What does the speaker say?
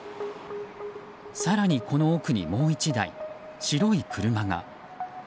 更にこの奥にもう１台、白い車が。